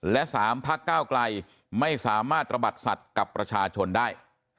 และ๓พักก้าวไกลไม่สามารถระบัดสัตว์กับประชาชนได้